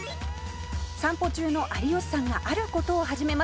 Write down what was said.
「散歩中の有吉さんがある事を始めます」